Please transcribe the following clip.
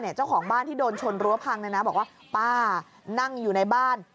ปึ้งแรกก็ป้าวิ่งออกมาใช่ไหม